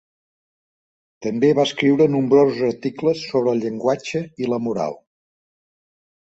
També va escriure nombrosos articles sobre el llenguatge i la moral.